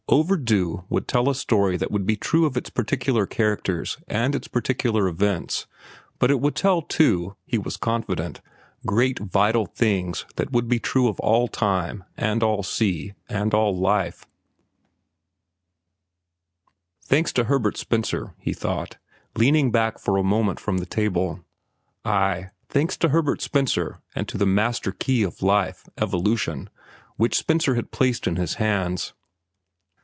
"Overdue" would tell a story that would be true of its particular characters and its particular events; but it would tell, too, he was confident, great vital things that would be true of all time, and all sea, and all life—thanks to Herbert Spencer, he thought, leaning back for a moment from the table. Ay, thanks to Herbert Spencer and to the master key of life, evolution, which Spencer had placed in his hands.